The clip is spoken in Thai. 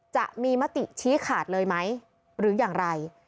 จะมีมติชี้ขาดเลยไหมหรืออย่างไร